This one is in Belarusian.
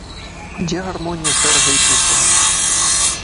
Дзе гармонія шэрага й чыстага?